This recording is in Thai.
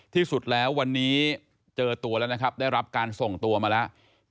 ที่สุดแล้ววันนี้เจอตัวแล้วนะครับได้รับการส่งตัวมาแล้ว